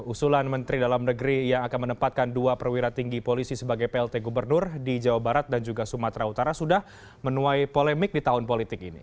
usulan menteri dalam negeri yang akan menempatkan dua perwira tinggi polisi sebagai plt gubernur di jawa barat dan juga sumatera utara sudah menuai polemik di tahun politik ini